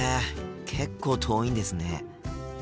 結構遠いんですね。